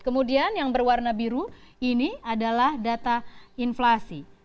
kemudian yang berwarna biru ini adalah data inflasi